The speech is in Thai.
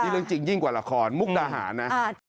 เรื่องจริงกว่าละครมุกตาหานะ